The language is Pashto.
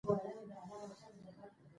مېلې د کوچنيانو د زدهکړي او تفریح ګډ ځای دئ.